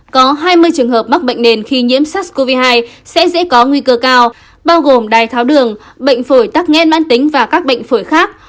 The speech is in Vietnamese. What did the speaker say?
có hai mươi trường hợp mắc bệnh nền khi nhiễm sars cov hai sẽ dễ có nguy cơ cao bao gồm đai tháo đường bệnh phổi tắc nghẽn mãn tính và các bệnh phổi khác